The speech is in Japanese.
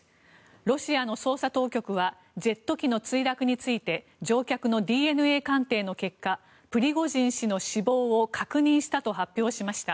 ロシアの捜査当局はジェット機の墜落について乗客のＤＮＡ鑑定の結果プリゴジン氏の死亡を確認したと発表しました。